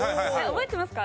覚えてますか？